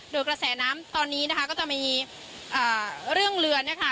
โดยกระแสน้ำตอนนี้นะคะก็จะมีเรื่องเรือนะคะ